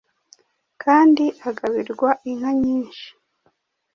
kandi agabirwa inka nyinshi